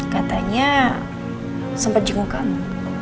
katanya sempat jenguk kamu